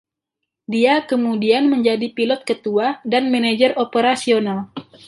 Dia kemudian menjadi Pilot Ketua dan Manajer Operasional.